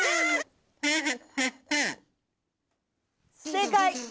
正解！